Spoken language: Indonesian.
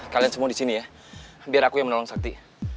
kalian semua di sini ya biar aku yang menolong sakti